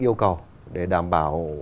yêu cầu để đảm bảo